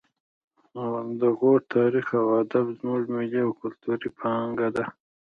د غور تاریخ او ادب زموږ ملي او کلتوري پانګه ده